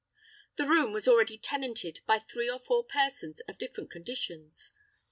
The room was already tenanted by three or four persons of different conditions.